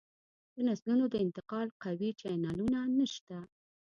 د نسلونو د انتقال قوي چینلونه نشته